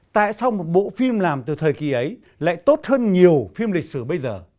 tại sao một bộ phim làm từ thời kỳ ấy lại tốt hơn nhiều phim lịch sử bây giờ